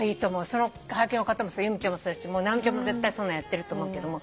そのはがきの方も由美ちゃんもそうだし直美ちゃんも絶対そんなんやってると思うけども。